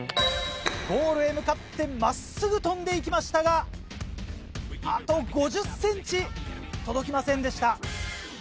ゴールへ向かって真っすぐ飛んでいきましたがあと５０ｃｍ届きませんでした。